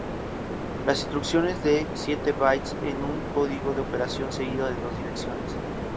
Las instrucciones de siete bytes en un código de operación seguido de dos direcciones.